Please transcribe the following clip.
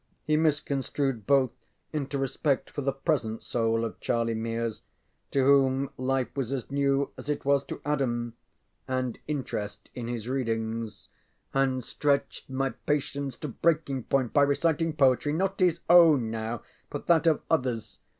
He misconstrued both into respect for the present soul of Charlie Mears, to whom life was as new as it was to Adam, and interest in his readings; and stretched my patience to breaking point by reciting poetry not his own now, but that of others.